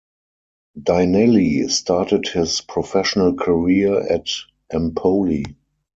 Dainelli started his professional career at Empoli.